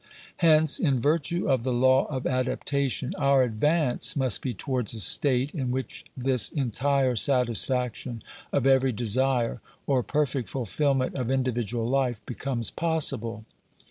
Hence, in virtue of the law of adaptation, our advance must be towards a state in which this entire satisfaction of every desire, or perfect fulfilment of indi vidual life, becomes possible.